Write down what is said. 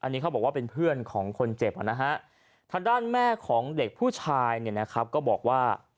ทางด้านแม่ของเด็กผู้ชายเนี่ยนะครับก็บอกว่า